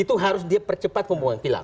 itu harus dia percepat pembuangan pilar